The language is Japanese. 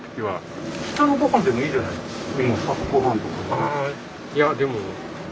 あいやでも。